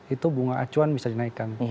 itu bunga acuan bisa dinaikkan